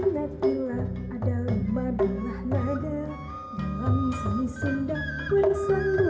ketika kita mengingatkan ada rumah adalah nada